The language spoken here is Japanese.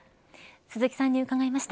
鈴木さんに伺いました。